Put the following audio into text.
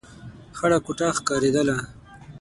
خړه کوټه ښکارېدله.